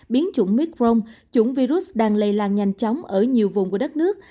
biến chủng mytprong chủng virus đang lây lan nhanh chóng ở nhiều vùng của đất nước